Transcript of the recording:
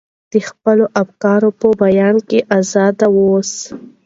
د خپلو افکارو په بیان کې ازاد واوسو.